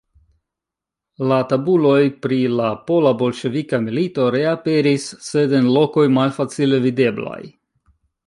La tabuloj pri la pola-bolŝevika milito reaperis, sed en lokoj malfacile videblaj.